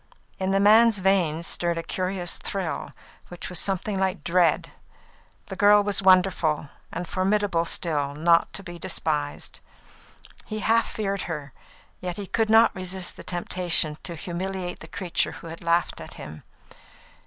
In the man's veins stirred a curious thrill, which was something like dread. The girl was wonderful, and formidable still, not to be despised. He half feared her, yet he could not resist the temptation to humiliate the creature who had laughed at him.